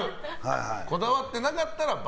こだわってなかったら×。